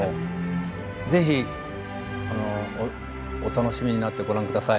ぜひお楽しみになってご覧ください。